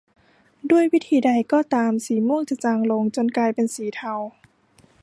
ด้วยวิธีใดก็ตามสีม่วงจะจางลงจนกลายเป็นสีเทา